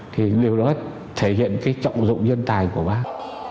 thì điều đó thể hiện cái trọng dụng nhân tài của bác